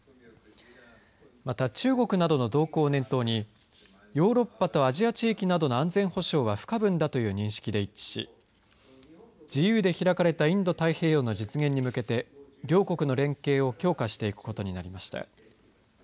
また中国などの動向を念頭にヨーロッパとアジア地域などの安全保障は不可分だという認識で一致し自由で開かれたインド太平洋の実現に向けて両国の連携を強化していくことになりました。